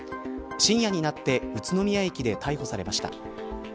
深夜になって宇都宮駅で逮捕されました。